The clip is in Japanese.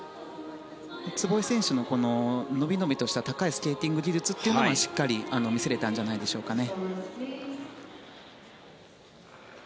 壷井選手の伸び伸びとした高いスケーティング技術はしっかり見せられたんじゃないですかね。